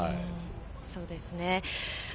そうですね。